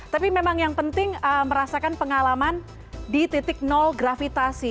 tapi memang yang penting merasakan pengalaman di titik nol gravitasi